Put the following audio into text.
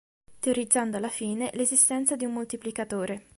Teorizzando, alla fine, l’esistenza di un moltiplicatore.